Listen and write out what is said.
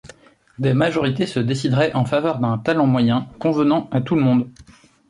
Des majorités se décideraient en faveur d’un talent moyen, convenant à tout le monde.